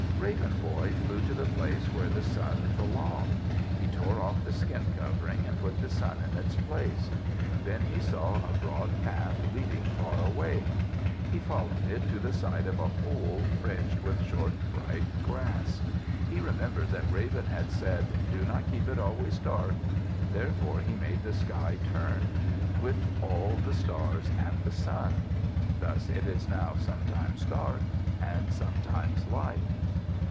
Raven Boy flew to the place where the sun belonged. He tore off the skin covering and put the sun in its place. Then he saw a broad path leading far away. He followed it to the side of a hole fringed with short, bright grass. He remembered that Raven had said, "Do not keep it always dark," therefore he made the sky turn, with all the stars and the sun. Thus it is now sometimes dark and sometimes light.